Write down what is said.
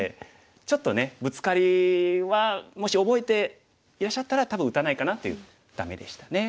ブツカリはもし覚えていらっしゃったら多分打たないかなっていう「ダメ」でしたね。